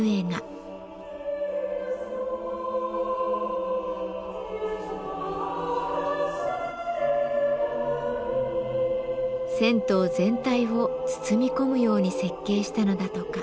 銭湯全体を包み込むように設計したのだとか。